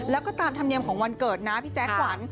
แล้วก็ตามธรรมเนียมของวันเกิดนะพี่แจ๊คขวัญ